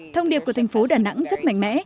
thông điệp của thành phố đà nẵng rất mạnh mẽ